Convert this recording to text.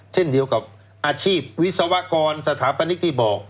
เช่นเดียวกับอาชีพวิศวกรสถาปนิกที่บอก